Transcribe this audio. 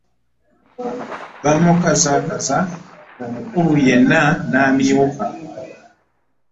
Bamukazzakazza omukulu yenna n'amyuka.